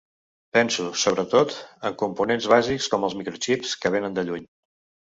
Penso, sobretot, en components bàsics com els microxips, que vénen de lluny.